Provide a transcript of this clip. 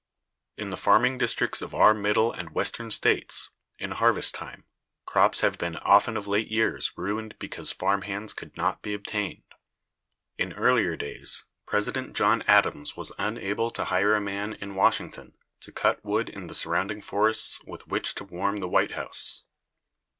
In the farming districts of our Middle and Western States, in harvest time, crops have been often of late years ruined because farm hands could not be obtained. In earlier days, President John Adams was unable to hire a man in Washington to cut wood in the surrounding forests with which to warm the White House.